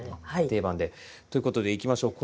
ということでいきましょう。